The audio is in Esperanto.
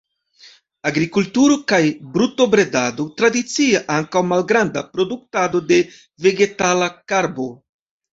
Agrikulturo kaj brutobredado tradicie, ankaŭ malgranda produktado de vegetala karbo.